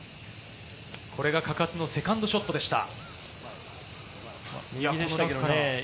これが嘉数のセカンドショットでした。